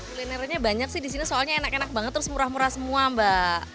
kulinernya banyak sih disini soalnya enak enak banget terus murah murah semua mbak